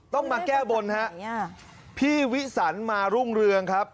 ต้องมาแก้บนฮะพี่วิสันมารุ่งเรืองครับ